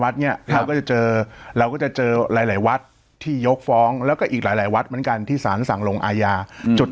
ที่แล้วก็อีกหลายหลายวัดเหมือนกันที่สารสั่งโรงอาญาเพื่อจุด